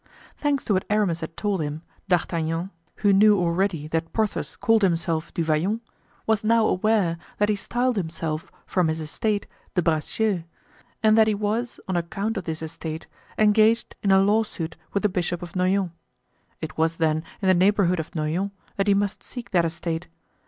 Thanks to what Aramis had told him, D'Artagnan, who knew already that Porthos called himself Du Vallon, was now aware that he styled himself, from his estate, De Bracieux; and that he was, on account of this estate, engaged in a lawsuit with the Bishop of Noyon. It was, then, in the neighborhood of Noyon that he must seek that estate.